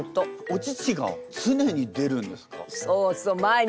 お乳が常に出るんですか？